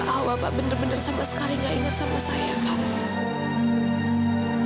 oh bapak benar benar sama sekali gak ingat sama saya pak